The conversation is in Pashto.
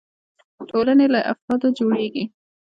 ټولنې له افرادو جوړيږي.